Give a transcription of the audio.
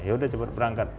ya udah cepet berangkat